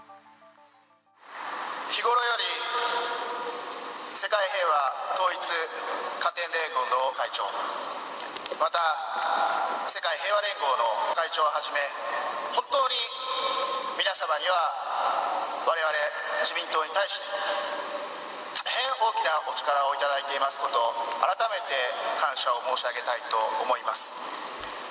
日頃より世界平和統一家庭連合の会長、また、世界平和連合の会長をはじめ、本当に皆様にはわれわれ自民党に対して、大変大きなお力をいただいていますこと、改めて感謝を申し上げたいと思います。